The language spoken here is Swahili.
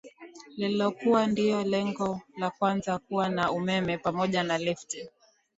Lilikuwa ndio jengo la kwanza kuwa na umeme pamoja na lifti